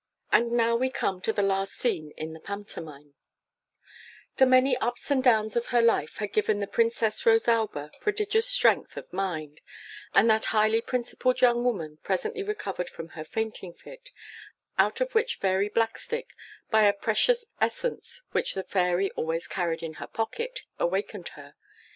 AND NOW WE COME TO THE LAST SCENE IN THE PANTOMIME The many ups and downs of her life had given the Princess Rosalba prodigious strength of mind, and that highly principled young woman presently recovered from her fainting fit, out of which Fairy Blackstick, by a precious essence which the Fairy always carried in her pocket, awakened her.